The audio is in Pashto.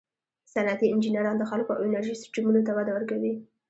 صنعتي انجینران د خلکو او انرژي سیسټمونو ته وده ورکوي.